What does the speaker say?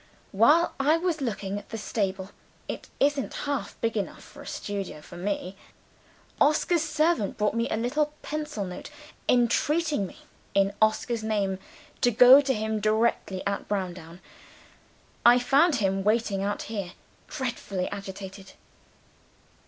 While I was looking at the stable (it isn't half big enough for a studio for Me!), Oscar's servant brought me a little pencil note, entreating me, in Oscar's name, to go to him directly at Browndown. I found him waiting out here, dreadfully agitated.